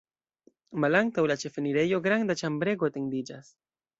Malantaŭ la ĉefenirejo granda ĉambrego etendiĝas.